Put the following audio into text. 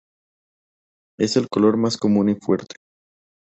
Es el color más común y fuerte.